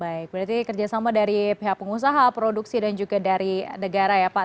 baik berarti kerjasama dari pihak pengusaha produksi dan juga dari negara ya pak